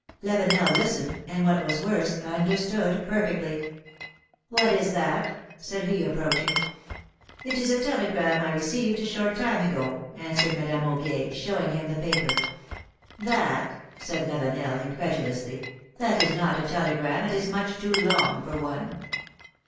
Lavenel listened, and what was worse, understood per fectly. What is that?" said he, approaching. it is a telegram I received a short time ago," answered Madame Aubier, showing him the paper. ^^That?" said Lavenel, incredulously, ^Ghat is not a telegram : it is much too long for one